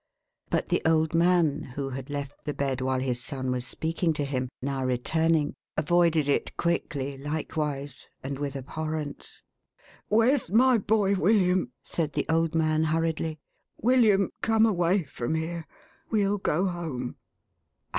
But the old man, who had left the bed while his son was speaking to him, now returning, avoided it quickly likewise, and with abhorrence. "Where's my boy William?''1 said the old man hurriedly. "William, come away from here. Well go home."